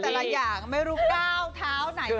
แต่ละอย่างไม่รู้ก้าวเท้าไหน